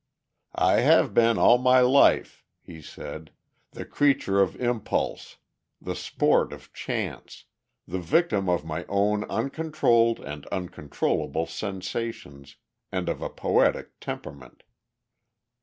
"I have been all my life," he says, "the creature of impulse, the sport of chance, the victim of my own uncontrolled and uncontrollable sensations, and of a poetic temperament."